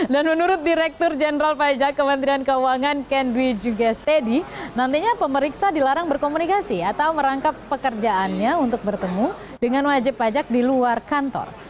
dan menurut direktur jenderal pajak kementerian keuangan kendwi jugestedi nantinya pemeriksa dilarang berkomunikasi atau merangkap pekerjaannya untuk bertemu dengan wajib pajak di luar kantor